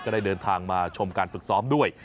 ได้เดินทางมาชมการฝึกซ้อมด้วย